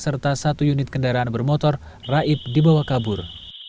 serta satu unit kendaraan bermotor raib dibawa kabur